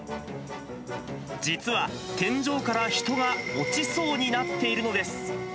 実は、天井から人が落ちそうになっているのです。